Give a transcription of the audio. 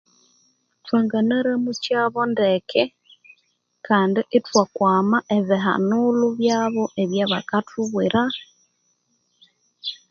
Twanganaramuchabo ndeke Kandi ithwakwama ebihanulho byabu ebyabakathubwira